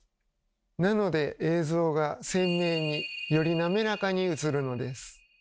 なので映像が鮮明により滑らかに映るのです。